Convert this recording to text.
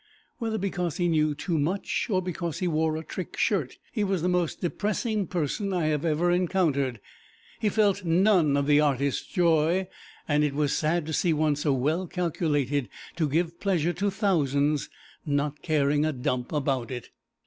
Whether because he knew too much, or because he wore a trick shirt, he was the most depressing person I ever encountered; he felt none of the artist's joy, and it was sad to see one so well calculated to give pleasure to thousands not caring a dump about it.